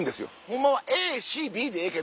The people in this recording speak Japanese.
ホンマはＡＣＢでええけど。